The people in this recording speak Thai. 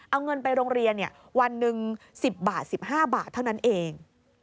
เอาเงินไปโรงเรียนวันหนึ่ง๑๐บาท๑๕บาทเท่านั้นเอง